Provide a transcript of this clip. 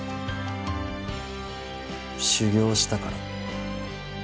修業したから。